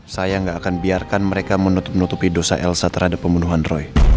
saya nggak akan biarkan mereka menutup menutupi dosa elsa terhadap pembunuhan roy